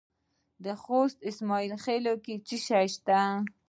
د خوست په اسماعیل خیل کې څه شی شته؟